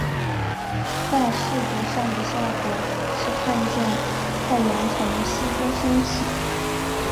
在视觉上的效果是看见太阳从西边升起。